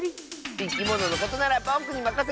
いきもののことならぼくにまかせて！